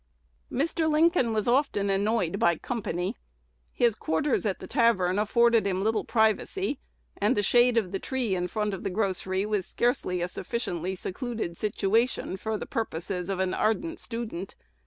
Mr. Lincoln was often annoyed by "company." His quarters at the tavern afforded him little privacy, and the shade of the tree in front of the grocery was scarcely a sufficiently secluded situation for the purposes of an ardent student.